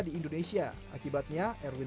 di indonesia akibatnya erwin